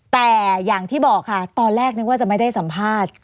แต่อย่างที่บอกค่ะตอนแรกนึกว่าจะไม่ได้สัมภาษณ์